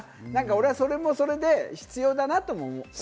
俺はそれもそれで必要だなと思う。